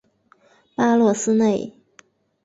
韦洛斯内。